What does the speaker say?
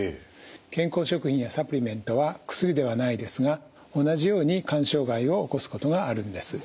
健康食品やサプリメントは薬ではないですが同じように肝障害を起こすことがあるんです。